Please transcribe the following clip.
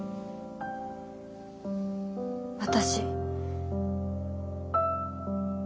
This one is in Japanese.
私。